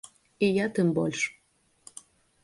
І я тым больш.